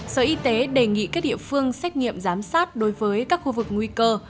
sở y tế đề nghị các địa phương xét nghiệm giám sát đối với các khu vực nguy cơ